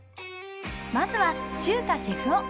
まずは中華シェフ男